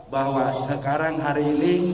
bahwa sekarang hari ini